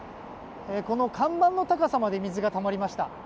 この看板の高さまで水がたまりました。